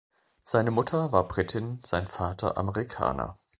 Seine Mutter war Britin, sein Vater Amerikaner.